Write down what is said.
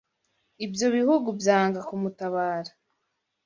ibyo bihugu byanga kumutabara